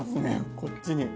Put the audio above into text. こっちに。